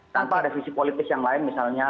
tanpa ada visi politik yang lain misalnya